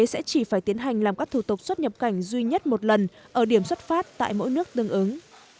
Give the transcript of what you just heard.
sẽ chỉ phải tiến hành làm các thủ tục xuất nhập cảnh duy nhất một lần ở điểm xuất phát tại mỗi nước tương ứng